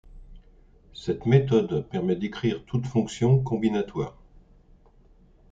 Cette méthode permet d'écrire toute fonction combinatoire.